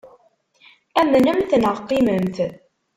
Amnemt neɣ qimemt.